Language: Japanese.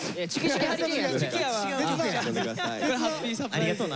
ありがとうな。